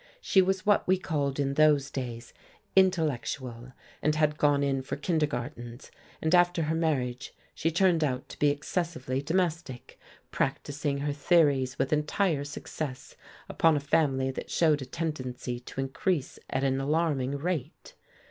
She was what we called in those days "intellectual," and had gone in for kindergartens, and after her marriage she turned out to be excessively domestic; practising her theories, with entire success, upon a family that showed a tendency to increase at an alarming rate.